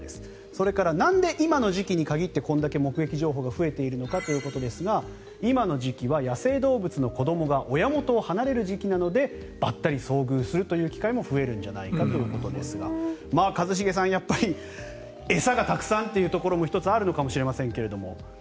それからなんで今の時期に限ってこれだけ目撃情報が増えているのかということですが今の時期は野生動物の子どもが親元を離れる時期なのでばったり遭遇する機会も増えるんじゃないかということですが一茂さん餌がたくさんというところも１つ、あるのかもしれませんが。